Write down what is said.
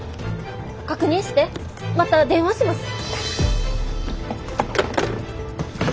確認してまた電話します。